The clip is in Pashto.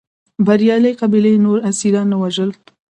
بریالۍ قبیلې نور اسیران نه وژل.